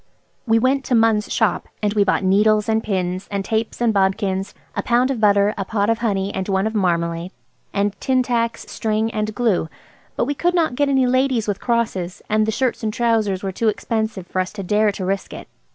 We went to Munn's shop, and we bought needles and pins, and tapes and bodkins, a pound of butter, a pot of honey and one of marmalade, and tin tacks, string, and glue. But we could not get any ladies with crosses, and the shirts and trousers were too expensive for us to dare to risk it.